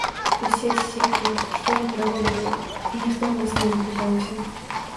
Усё ссеклі, што ім трэба было, і ніхто ў нас не запытаўся.